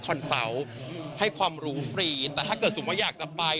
เซาต์ให้ความรู้ฟรีแต่ถ้าเกิดสมมุติว่าอยากจะไป